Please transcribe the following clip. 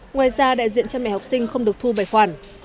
ngoài ra đại diện cha mẹ học sinh không được thu bài khoản